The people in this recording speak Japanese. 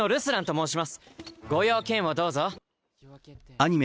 アニメ